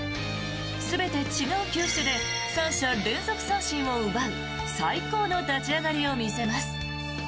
全て違う球種で３者連続三振を奪う最高の立ち上がりを見せます。